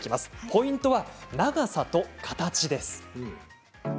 ポイントは長さと形です。